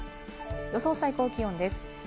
予想最高気温です。